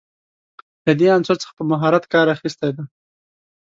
له دې عنصر څخه په مهارت کار اخیستی دی.